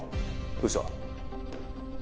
どうした？